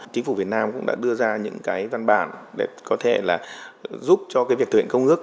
chính phủ việt nam cũng đã đưa ra những văn bản để có thể giúp cho việc thực hiện công ước